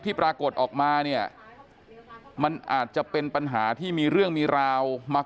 ปรากฏออกมาเนี่ยมันอาจจะเป็นปัญหาที่มีเรื่องมีราวมา